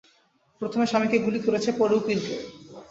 প্রথমে স্বামীকে গুলি করেছে, পরে উকিলকে!